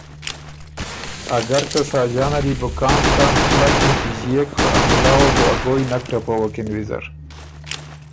اګر که ساجان ال يې بو کان کان چړک نیکِݫيېک، خه ا مُلال بُو ا ګویٛ نک ټَپَوکِن۔